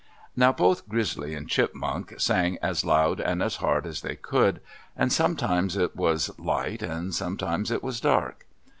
Now both Grizzly and Chipmunk sang as loud and as hard as they could, and sometimes it was light and sometimes it was dark.